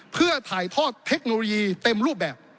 เพื่อถ่ายทอดเทคโนโลยีเต็มรูปแบบ